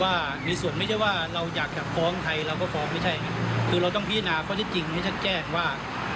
ว่าในส่วนไม่ใช่ว่าเราอยากจะฟ้องใครเราก็ฟ้องไม่ใช่คือเราต้องพิจารณาข้อที่จริงให้ชัดแจ้งว่า